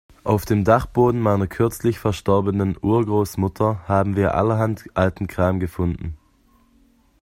Auf dem Dachboden meiner kürzlich verstorbenen Urgroßmutter haben wir allerhand alten Kram gefunden.